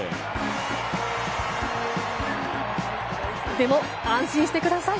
でも安心してください！